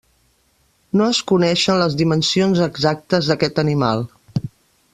No es coneixen les dimensions exactes d'aquest animal.